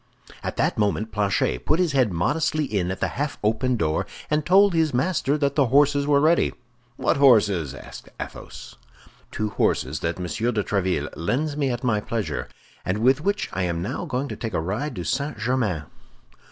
At that moment Planchet put his head modestly in at the half open door, and told his master that the horses were ready. "What horses?" asked Athos. "Two horses that Monsieur de Tréville lends me at my pleasure, and with which I am now going to take a ride to St. Germain."